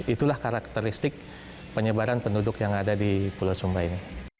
itulah karakteristik penyebaran penduduk yang ada di pulau sumba ini